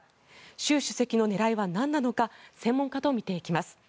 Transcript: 習主席の狙いはなんなのか専門家と見ていきます。